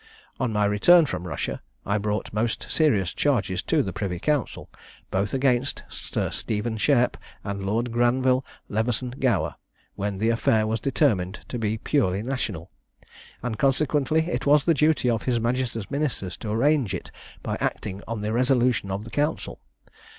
On my return from Russia, I brought most serious charges to the privy council, both against Sir Stephen Shairp and Lord Granville Leveson Gower, when the affair was determined to be purely national, and consequently it was the duty of his majesty's ministers to arrange it by acting on the resolution of the council.